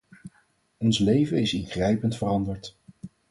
Ons leven is ingrijpend veranderd.